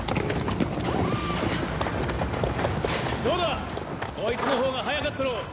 どうだこいつの方が早かったろう。